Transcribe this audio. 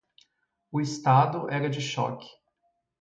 O estado era de choque.